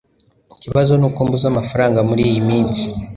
Ikibazo nuko mbuze amafaranga muriyi minsi